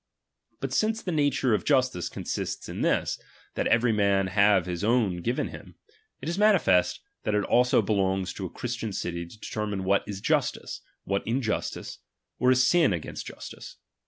But since the nature of justice consists in this, that every man have his own given him ; it is manifest, that it also belongs to a Christian city to deter mine what is justice, what injustice, or a sin against justice.